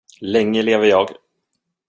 Länge leve jag.